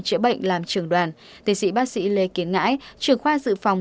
chữa bệnh làm trường đoàn tiến sĩ bác sĩ lê kiến ngãi trường khoa dự phòng